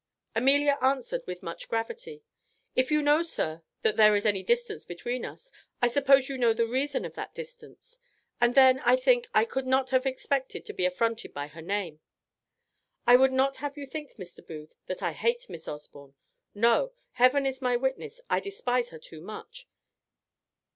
"Amelia answered with much gravity, 'If you know, sir, that there is any distance between us, I suppose you know the reason of that distance; and then, I think, I could not have expected to be affronted by her name. I would not have you think, Mr. Booth, that I hate Miss Osborne. No! Heaven is my witness, I despise her too much.